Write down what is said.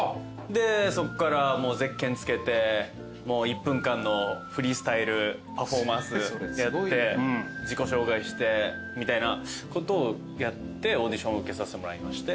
でそっからゼッケン着けて１分間のフリースタイルパフォーマンスやって自己紹介してみたいなことをやってオーディションを受けさせてもらいまして。